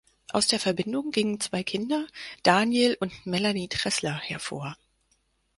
Aus der Verbindung gingen zwei Kinder, Daniel und Melanie Tressler, hervor.